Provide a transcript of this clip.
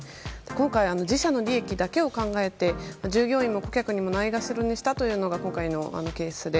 今回、自社の利益だけを考えて従業員も顧客もないがしろにしたというのが今回のケースで。